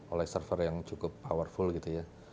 oleh server yang cukup powerful gitu ya